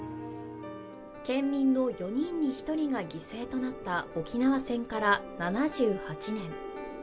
県民の４人に１人が犠牲となった沖縄戦から７８年。